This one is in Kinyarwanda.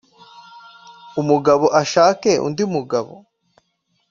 umugabo ashake undi mugabo